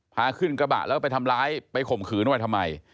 พาขึ้นกระบะแล้วไปทำร้ายไปข่มขืนไว้ทำไม